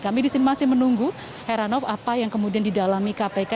kami di sini masih menunggu heranov apa yang kemudian didalami kpk